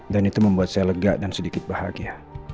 itu membuat saya lega dan sedikit bahagia